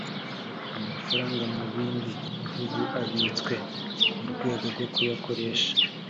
amafaranga mu bindi bihugu abitswe mu rwego rwo kuyakoresha